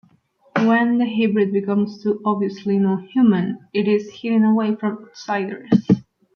When the hybrid becomes too obviously non-human, it is hidden away from outsiders.